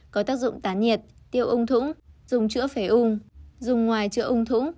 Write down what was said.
có tác dụng tán nhiệt tiêu ung thủng dùng chữa phế ung dùng ngoài chữa ung thủng